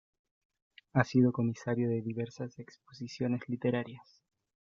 Ha sido comisario de diversas exposiciones literarias.